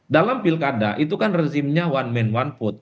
dalam pilkada itu kan rezimnya one man one vote